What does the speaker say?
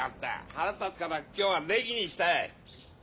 腹立つから今日はネギにしたよ。